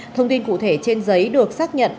thông tin cụ thể trên giấy được xác nhận